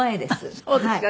あっそうですか。